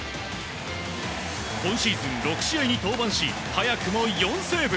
今シーズン６試合に登板し早くも４セーブ。